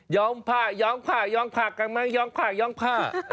ย้อมผ้าย้อมผ้าย้อมผ้ากลางมาย้อมผ้าย้อมผ้า